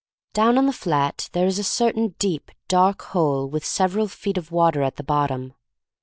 Down on the flat there is a certain deep, dark hole with several feet of water at the bottom.